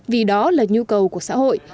vì đó là nhu cầu của xã hội